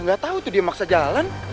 gak tau tuh dia maksa jalan